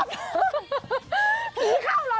ขีเข้าหรอเลย